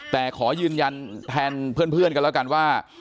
แต่ขอยืนยันแทนเพื่อนกันแล้วกันว่า